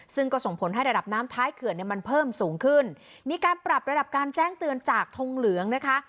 ซึ่งก็ส่งผลให้ระดับน้ำท้ายเขื่อนเนี่ยมันเพิ่มสูงขึ้นมีการปรับระดับการแจ้งเตือนจากทงเหลืองนะคะ